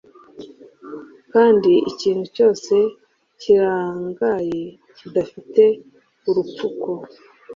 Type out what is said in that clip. kandi ikintu cyose kirangaye kidafite urupfuko